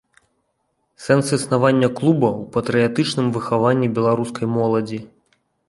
Сэнс існавання клуба ў патрыятычным выхаванні беларускай моладзі.